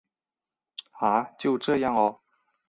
啊！就这样喔